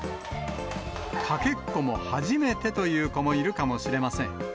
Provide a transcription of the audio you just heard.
かけっこも初めてという子もいるかもしれません。